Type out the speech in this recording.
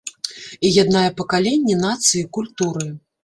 І яднае пакаленні, нацыі, культуры.